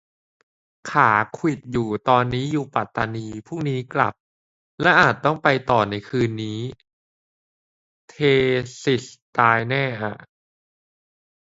ขาขวิดอยู่ ตอนนี้อยู่ปัตตานี พรุ่งนี้กลับ และอาจต้องไปต่อในคืนนั้น เธสิสตายแน่อ่ะ